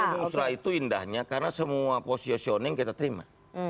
di musrah itu indahnya karena semua posisi yang kita terima